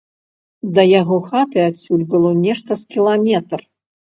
Да яго хаты адсюль было нешта з кіламетр.